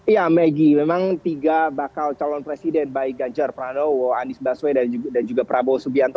ya maggie memang tiga bakal calon presiden baik ganjar pranowo andis baswe dan juga prabowo subianto